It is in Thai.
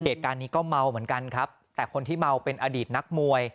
เหตุการณ์นี้ก็เมาเหมือนกันครับแต่คนที่เมาเป็นอดีตนักมวย